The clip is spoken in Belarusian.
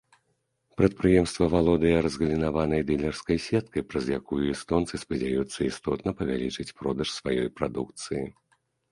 Прадпрыемства валодае разгалінаванай дылерскай сеткай, праз якую эстонцы спадзяюцца істотна павялічыць продаж сваёй прадукцыі.